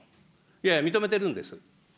いやいや、認めてるんです。